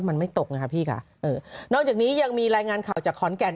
มันไม่ตกนะคะพี่ค่ะเออนอกจากนี้ยังมีรายงานข่าวจากขอนแก่น